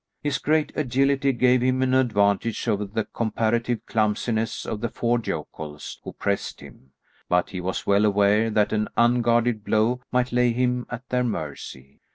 His great agility gave him an advantage over the comparative clumsiness of the four yokels who pressed him, but he was well aware that an unguarded blow might lay him at their mercy.